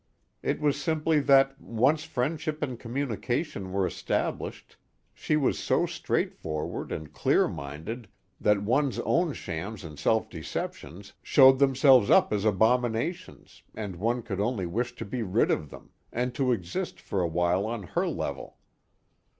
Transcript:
It was simply that, once friendship and communication were established, she was so straightforward and clear minded that one's own shams and self deceptions showed themselves up as abominations, and one could only wish to be rid of them, and to exist for a while on her level.